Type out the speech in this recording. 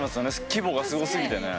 規模がすごすぎてね。